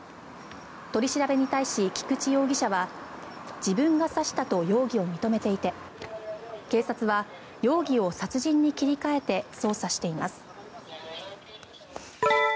取り調べに対し菊地容疑者は自分が刺したと容疑を認めていて警察は容疑を殺人に切り替えて捜査しています。